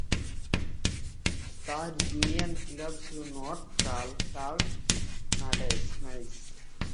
তার junior club ছিল North Carl Carl Knights.